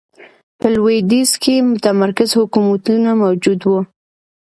په لوېدیځ کې متمرکز حکومتونه موجود و.